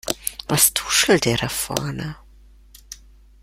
Was tuschelt ihr da vorne?